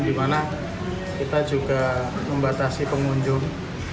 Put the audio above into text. di mana kita juga membatasi pengunjung